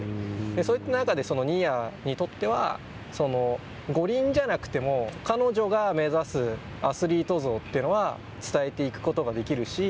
そういった中で、新谷にとっては五輪じゃなくても彼女が目指すアスリート像というのは伝えていくことができるし。